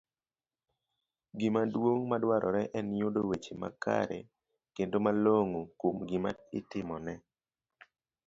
Gima duong ' madwarore en yudo weche makare kendo malong'o kuom gima itimone